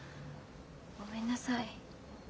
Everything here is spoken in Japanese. ごめんなさい。